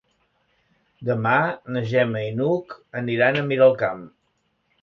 Demà na Gemma i n'Hug aniran a Miralcamp.